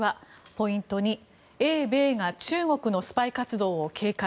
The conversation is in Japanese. ポイント２英米が中国のスパイ活動を警戒。